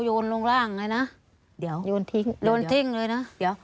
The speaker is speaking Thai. โยนลงร่างเลยนะเดี๋ยวโยนทิ้งโยนทิ้งเลยนะเดี๋ยว